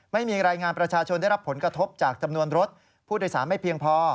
ไม่มีรายงานประชาชนได้รับผลกระทบจากจำนวนรถผู้โดยสารไม่เพียงพอ